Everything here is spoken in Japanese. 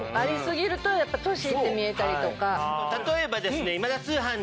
例えばですね。